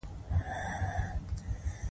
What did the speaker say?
زموږ د کور مخې ته لویه ونه ده